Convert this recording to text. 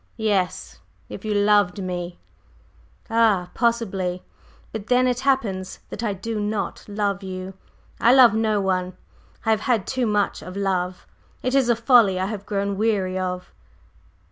"Yes, if you loved me!" "Ah, possibly! But then it happens that I do not love you. I love no one. I have had too much of love; it is a folly I have grown weary of!"